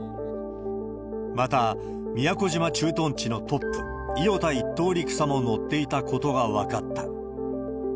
また、宮古島駐屯地のトップ、伊與田１等陸佐も乗っていたことが分かった。